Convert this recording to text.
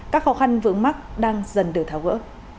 các khó khăn vướng mắt đang dần được tháo gỡ